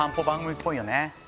番組っぽいよね